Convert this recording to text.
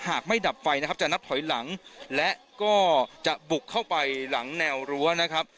หากไม่ดับไฟนะครับจะนับถอยหลังและก็จะบุกเข้าไปหลังแนวรั้วนะครับ